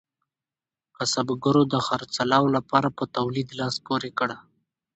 کسبګرو د خرڅلاو لپاره په تولید لاس پورې کړ.